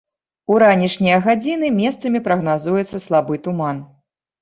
У ранішнія гадзіны месцамі прагназуецца слабы туман.